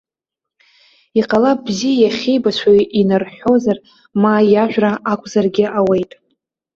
Иҟалап бзиа иахьибацәо инарҳәозар, ма иажәра акәзаргьы ауеит.